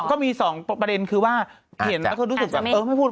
ก็มีสองประเด็นคือว่าเห็นแล้วก็รู้สึกแบบเออไม่พูด